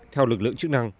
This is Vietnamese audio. theo lực lượng chức năng